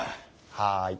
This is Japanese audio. はい。